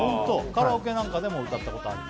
カラオケなんかでも歌ったことある？